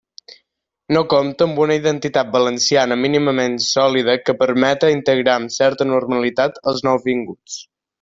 No compta amb una identitat valenciana mínimament sòlida que permeta integrar amb certa normalitat els nouvinguts.